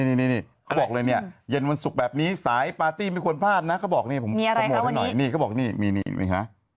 นี่เขาบอกเลยเนี่ยเย็นวันสุขแบบนี้สายปาร์ตี้ไม่ควรพลาดนะเขาบอกผมขอโหมดให้หน่อยมีอะไรครับวันนี้